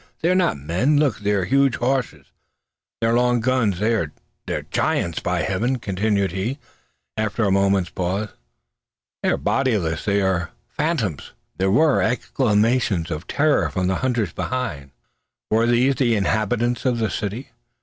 they are not men! Look! their huge horses, their long guns; they are giants! By Heaven!" continued he, after a moment's pause, "they are bodiless! They are phantoms!" There were exclamations of terror from the hunters behind. Were these the inhabitants of the city?